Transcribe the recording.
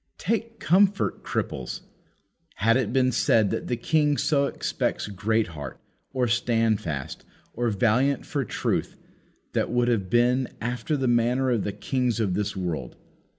Take comfort, cripples! Had it been said that the King so expects Greatheart, or Standfast, or Valiant for truth, that would have been after the manner of the kings of this world.